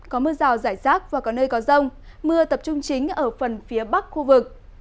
có mưa rào rải rác và có nơi có rông mưa tập trung chính ở phần phía bắc khu vực